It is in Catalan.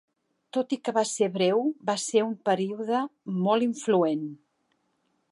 Tot i que va ser breu, va ser un període molt influent.